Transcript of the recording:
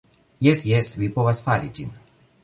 "Jes jes, vi povas fari ĝin.